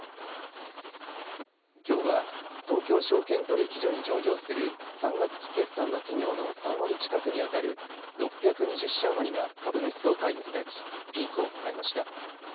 きょうは東京証券取引所に上場する３月期決算の企業の３割近くにあたる６２０社余りが株主総会を開きピークを迎えました。